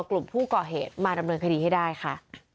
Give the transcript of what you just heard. กลุ่มผู้ก่อเหตุมาดำเนินคดีให้ได้ค่ะ